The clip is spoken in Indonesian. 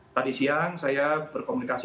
tadi siang saya berkomunikasi